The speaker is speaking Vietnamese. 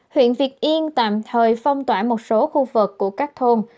huyện việt yên tạm thời phong tỏa một số khu vực của các thôn